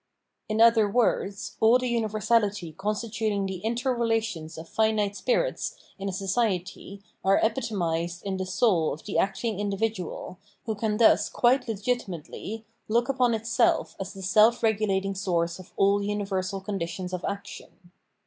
In other words, all the universality constituting the interrelations of finite spirits in a society are epitomised in the soul of the acting individual, who can thus quite legitimately, look upon itself as the self regulating source of all universal conditions of action.